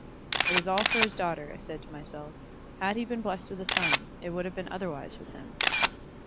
"It is all for his daughter," I had said to myself. "Had he been blessed with a son, it would have been otherwise with him."